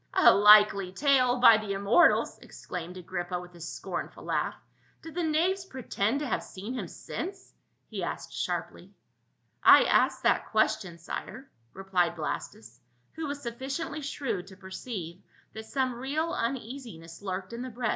"A likely tale, by the immortals!" exclaimed Agrippa with a scornful laugh. " Do the knaves pre tend to have seen him since?" he added sharply. "I asked that question, sire," replied Blastus, who was sufficiently shrewd to perceive that some real un easiness lurked in the brea.